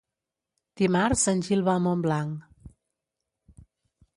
Dimarts en Gil va a Montblanc.